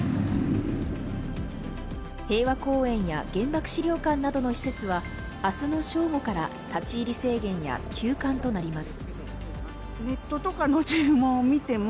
平和公園や原爆資料館などの施設は明日の正午から立ち入り制限や休館となります。